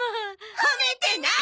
褒めてない！